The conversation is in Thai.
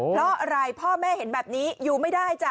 เพราะอะไรพ่อแม่เห็นแบบนี้อยู่ไม่ได้จ้ะ